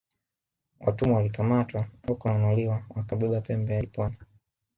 Watumwa walikamatwa au kununuliwa wakabeba pembe hadi pwani